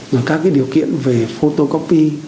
rồi các điều kiện về photocopy